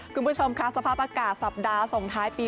คุณผู้ชมค่ะสภาพอากาศสัปดาห์ส่งท้ายปี